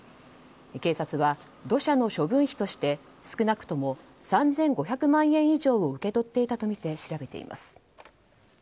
警察は土砂の処分費として少なくとも３５００万円以上を受け取っていたとみて調べています。